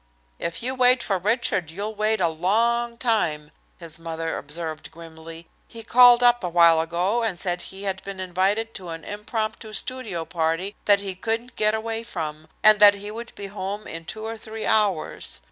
"If you wait for Richard, you'll wait a long time," his mother observed grimly. "He called up a while ago, and said he had been invited to an impromptu studio party that he couldn't get away from, and that he would be home in two or three hours.